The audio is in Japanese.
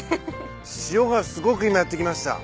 塩がすごく今やって来ました。